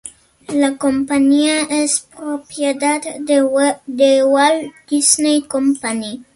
La compañía es propiedad de The Walt Disney Company.